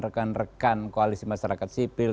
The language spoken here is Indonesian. rekan rekan koalisi masyarakat sipil